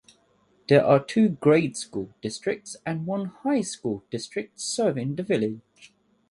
There are two grade school districts and one high-school district serving the village.